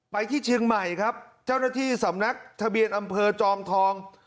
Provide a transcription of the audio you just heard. ที่เชียงใหม่ครับเจ้าหน้าที่สำนักทะเบียนอำเภอจอมทอง